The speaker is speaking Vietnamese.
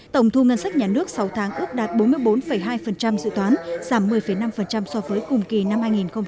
tổng thu ngân sách nhà nước sáu tháng ước đạt bốn mươi bốn hai dự toán giảm một mươi năm so với cùng kỳ năm hai nghìn một mươi tám